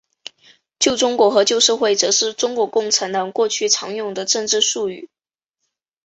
旧中国和旧社会则是中国共产党过去常用的政治术语。